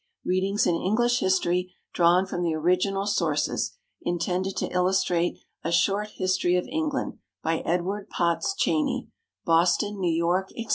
["Readings in English History Drawn from the Original Sources," intended to illustrate "A Short History of England," by Edward Potts Cheyney, Boston, New York, etc.